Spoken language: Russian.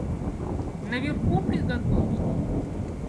Наверху приготовить?